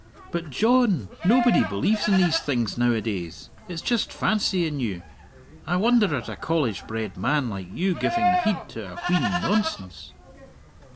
"But, John, nobody believes in these things nowadays. It's just fancy in you. I wonder at a college bred man like you giving heed to a wheen nonsense!"